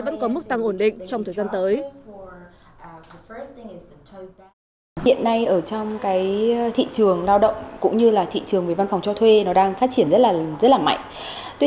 vẫn có mức tăng ổn định trong thời gian tới